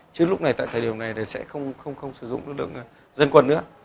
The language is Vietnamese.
chứ lúc này tại thời điểm này thì sẽ không sử dụng lực lượng dân quân nữa